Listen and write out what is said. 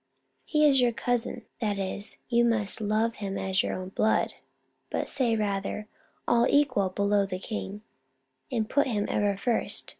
" He is your cousin, that is, you must love him as your own blood ; but say, rather, c All equal below the king/ and put him ever first.